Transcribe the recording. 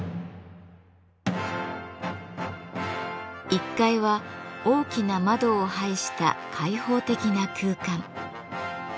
１階は大きな窓を配した開放的な空間。